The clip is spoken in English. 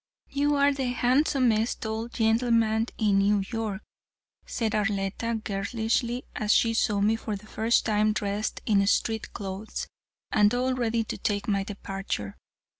"You are the handsomest old gentleman in New York," said Arletta, girlishly, as she saw me for the first time dressed in street clothes, and all ready to take my departure.